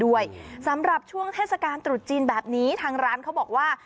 ด้วยสำหรับช่วงเทศกาลตรุษจีนแบบนี้ทางร้านเขาบอกว่า